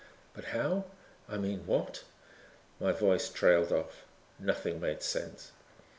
"But how I mean what...?" My voice trailed off. Nothing made sense.